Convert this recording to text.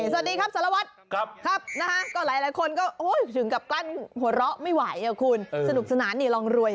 สวัสดีครับสรวจก็หลายคนก็ถึงกับกั้นหัวเราะสนุกสนานรองรวย